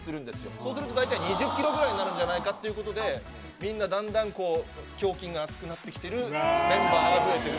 そうすると、大体２０キロぐらいになるんじゃないかということで、みんな、だんだん胸筋が厚くなってきてるメンバーが増えてる。